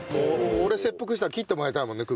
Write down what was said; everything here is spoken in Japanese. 俺切腹したら切ってもらいたいもんね首。